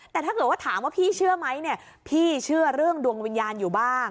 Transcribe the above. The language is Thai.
แต่ถ้าเกิดว่าถามว่าพี่เชื่อไหมเนี่ยพี่เชื่อเรื่องดวงวิญญาณอยู่บ้าง